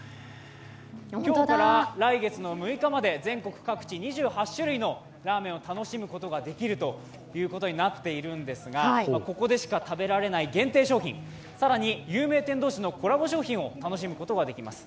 今日から来月の６日まで全国各地２８種類のラーメンを楽しむことができるということになっているんですがここでしか食べられない限定商品、更に有名店同士がコラボ商品を楽しむことができます。